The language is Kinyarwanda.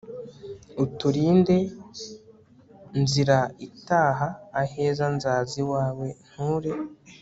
uturinde. nzira itaha aheza nzaza iwawe nture